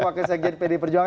waktunya saya jadi pd perjuangan